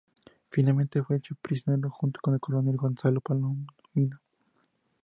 Finalmente fue hecho prisionero junto con el coronel Gonzalo Palomino.